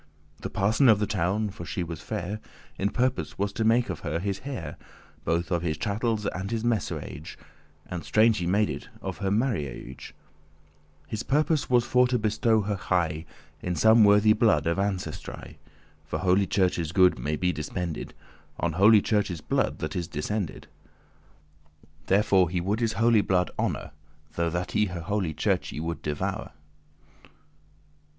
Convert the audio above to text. The parson of the town, for she was fair, In purpose was to make of her his heir Both of his chattels and his messuage, And *strange he made it* of her marriage. *he made it a matter His purpose was for to bestow her high of difficulty* Into some worthy blood of ancestry. For holy Church's good may be dispended* *spent On holy Church's blood that is descended. Therefore he would his holy blood honour Though that he holy Churche should devour.